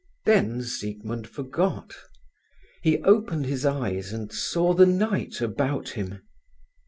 Then Siegmund forgot. He opened his eyes and saw the night about him.